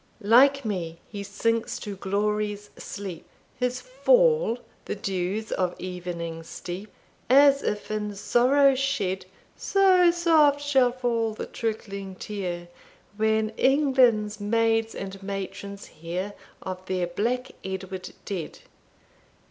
"'Like me, he sinks to Glory's sleep, His fall the dews of evening steep, As if in sorrow shed, So soft shall fall the trickling tear, When England's maids and matrons hear Of their Black Edward dead.